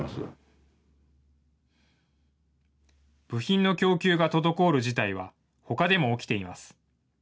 部品の供給が滞る事態は、ほかでも起きています。